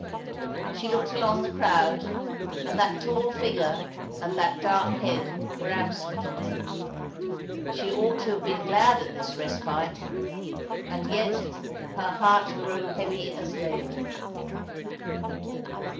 She looked along the crowd, and that tall figure and that dark head were absent. She ought to have been glad at this respite, and yet her heart grew heavy as lead.